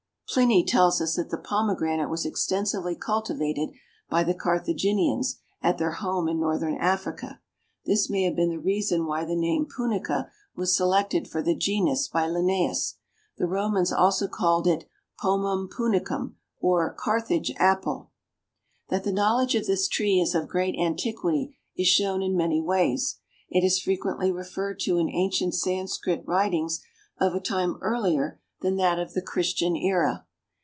Pliny tells us that the Pomegranate was extensively cultivated by the Carthaginians at their home in Northern Africa. This may have been the reason why the name Punica was selected for the genus by Linnaeus. The Romans also called it "Pomum Punicum," or Carthage apple. That the knowledge of this tree is of great antiquity is shown in many ways. It is frequently referred to in ancient Sanskrit writings of a time earlier than that of the Christian Era.